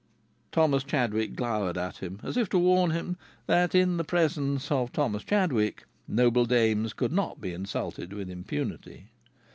Thomas Chadwick glowered at him, as if to warn him that in the presence of Thomas Chadwick noble dames could not be insulted with impunity.